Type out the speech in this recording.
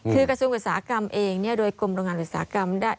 คือกระทรวงอุตสาหกรรมเองโดยกรมโรงงานอุตสาหกรรมได้